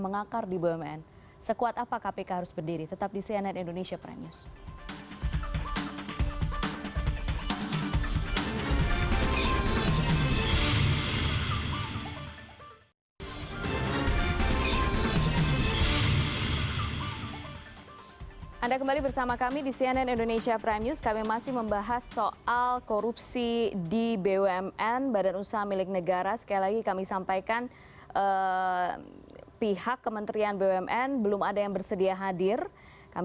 mas febri diansyah mas febri selamat malam